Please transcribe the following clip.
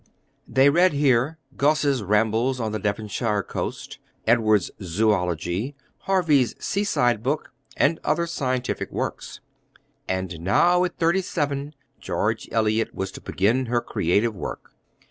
They read here Gosse's Rambles on the Devonshire Coast, Edward's Zoology, Harvey's sea side book, and other scientific works. And now at thirty seven George Eliot was to begin her creative work.